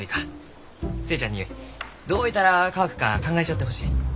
寿恵ちゃんにどういたら乾くか考えちょってほしい。